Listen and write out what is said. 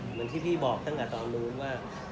เหมือนที่พี่บอกตั้งแต่ตอนนู้นว่า